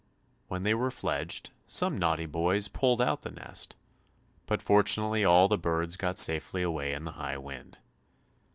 When they were fledged, some naughty boys pulled out the nest, but fortunately all the birds got safely away in the high wind.